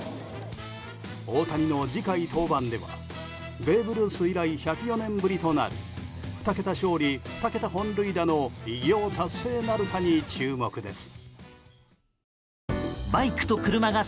大谷の次回登板ではベーブ・ルース以来１０４年ぶりとなる２桁勝利２桁本塁打の偉業達成なるかに注目です。